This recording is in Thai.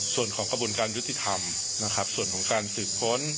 ส่วนของกระบวนการยุติธรรมนะครับส่วนของการสืบค้น